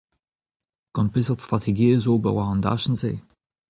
Gant peseurt strategiezh ober war an dachenn-se ?